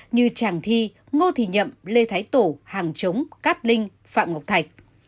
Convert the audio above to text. như tràng thi ngô thị nhậm lê thái tổ hàng chống cát linh phạm ngọc thạch